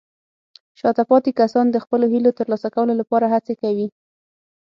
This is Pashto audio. شاته پاتې کسان د خپلو هیلو ترلاسه کولو لپاره هڅې کوي.